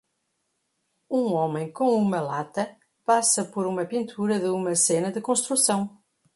Um homem com uma lata passa por uma pintura de uma cena de construção.